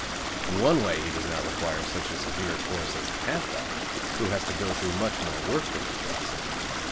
In one way he does not require such a severe course as a half back, who has to go through much more work than he does.